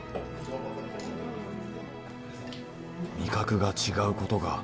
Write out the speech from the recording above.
「味覚が違うことが」